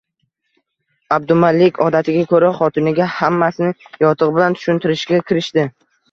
Abdumalik odatiga ko`ra xotiniga hammasini yotig`i bilan tushuntirishga kirishdi